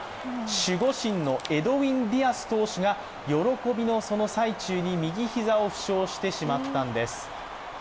守護神のエドウィン・ディアス投手が喜びの最中に右膝を負傷してしまったんです。